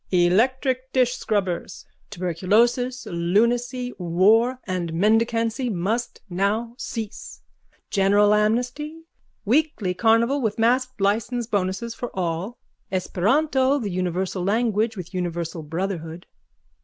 Electric dishscrubbers. Tuberculosis, lunacy, war and mendicancy must now cease. General amnesty, weekly carnival with masked licence, bonuses for all, esperanto the universal language with universal brotherhood.